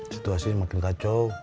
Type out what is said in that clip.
situasinya makin kacau